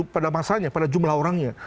pada masanya pada jumlah orangnya